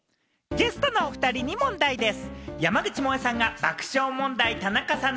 ゲストのお２人に問題です。